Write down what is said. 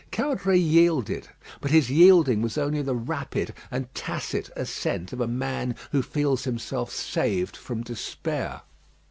Caudray yielded; but his yielding was only the rapid and tacit assent of a man who feels himself saved from despair.